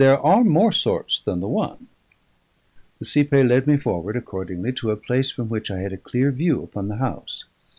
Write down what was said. there are more sorts than the one!" The cipaye led me forward accordingly to a place from which I had a clear view upon the house.